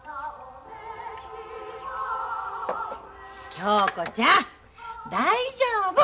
恭子ちゃん大丈夫！